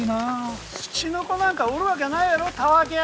ツチノコなんかおるわけないやろたわけ！